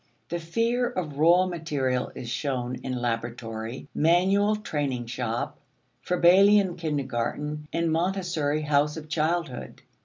The fear of raw material is shown in laboratory, manual training shop, Froebelian kindergarten, and Montessori house of childhood.